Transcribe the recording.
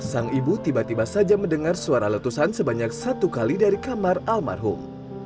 sang ibu tiba tiba saja mendengar suara letusan sebanyak satu kali dari kamar almarhum